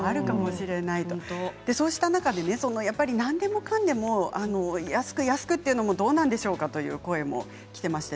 そうした中で何でもかんでも安く安くというのもどうなんでしょうかという声もきています。